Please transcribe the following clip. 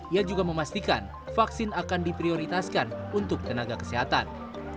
ia juga memastikan vaksin akan diprioritaskan untuk tenaga kesehatan